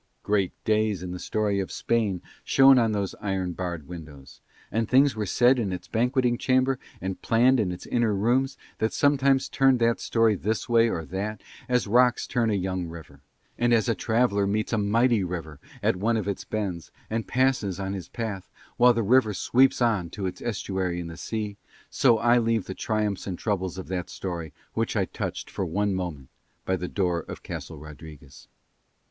Great days in the story of Spain shone on those iron barred windows, and things were said in its banqueting chamber and planned in its inner rooms that sometimes turned that story this way or that, as rocks turn a young river. And as a traveller meets a mighty river at one of its bends, and passes on his path, while the river sweeps on to its estuary and the sea, so I leave the triumphs and troubles of that story which I touched for one moment by the door of Castle Rodriguez.